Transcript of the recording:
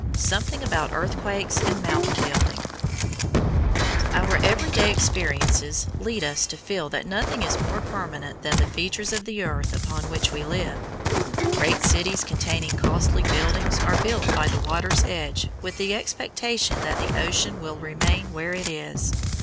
SOMETHING ABOUT EARTHQUAKES AND MOUNTAIN BUILDING Our everyday experiences lead us to feel that nothing is more permanent than the features of the earth upon which we live. Great cities containing costly buildings are built by the water's edge with the expectation that the ocean will remain where it is.